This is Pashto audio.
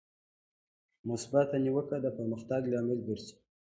مثبته نیوکه د پرمختګ لامل ګرځي.